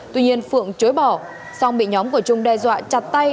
tuy nhiên phượng chối bỏ xong bị nhóm của trung đe dọa chặt tay